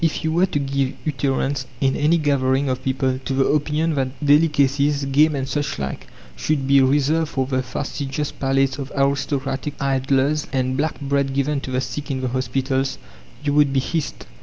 If you were to give utterance, in any gathering of people, to the opinion that delicacies game and such like should be reserved for the fastidious palates of aristocratic idlers, and black bread given to the sick in the hospitals, you would be hissed.